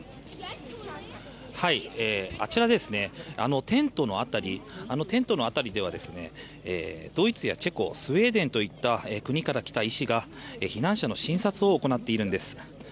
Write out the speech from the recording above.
あちらでテントの辺りではドイツやチェコスウェーデンといった国から来た医師が避難者の診察を行っているんです。